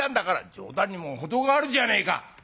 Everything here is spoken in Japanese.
「冗談にも程があるじゃねえか」。